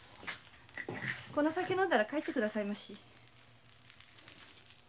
この酒飲んだら帰ってくださいまし。